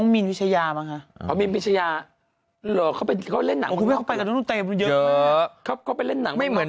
มีพิชยาบางครับมีพิชยาหรอกเขาไปเล่นหนังไปกันเยอะเขาไปเล่นหนังไม่เหมือน